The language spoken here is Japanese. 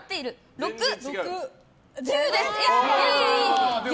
６、１０です。